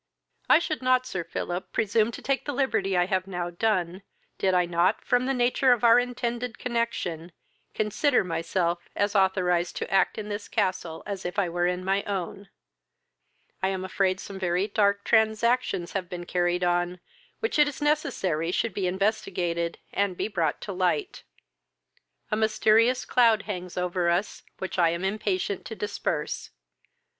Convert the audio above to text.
"I should not, Sir Philip, presume to take the liberty I have now done, did I not, from the nature of our intended connexion, consider myself as authorised to act in this castle as if I were in my own. I am afraid some very dark transactions have been carried on which it is necessary should be investigated, and be brought to light. A mysterious cloud hangs over us, which I am impatient to disperse.